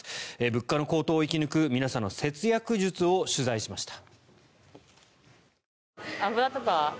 物価の高騰を生き抜く皆さんの節約術を伺いました。